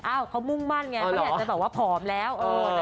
เขามุ่งมั่นไงเขาอยากจะแบบว่าผอมแล้ว